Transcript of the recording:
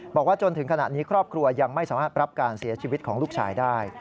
บอกว่าจนถึงขณะนี้ครอบครัวยังไม่สามารถรับการเสียชีวิตของลูกชายได้